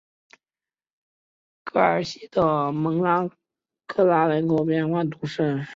凯尔西的蒙克拉人口变化图示